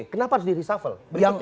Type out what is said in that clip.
kenapa harus diresuffle